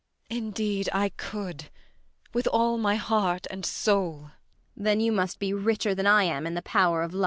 ] Indeed, I could, with all my heart and soul! MRS. BORKMAN. [Coldly.] Then you must be richer than I am in the power of love.